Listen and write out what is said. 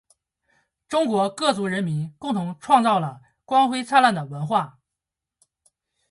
中国各族人民共同创造了光辉灿烂的文化